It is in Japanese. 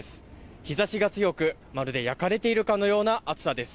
日差しが強くまるで焼かれているかのような暑さです。